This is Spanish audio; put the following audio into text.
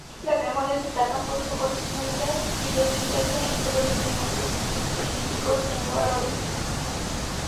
Las memorias destacan por su originalidad, idiosincrasia y por varios elementos estilísticos e innovadores.